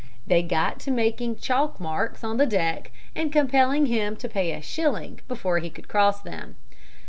They got to making chalk marks on the deck and compelling him to pay a shilling before he could cross them.